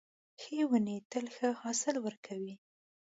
ښې ونې تل ښه حاصل ورکوي .